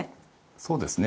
そうですね。